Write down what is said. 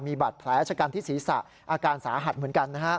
มีบาดแผลชะกันที่ศีรษะอาการสาหัสเหมือนกันนะฮะ